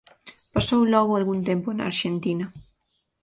Pasou logo algún tempo na Arxentina.